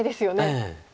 ええ。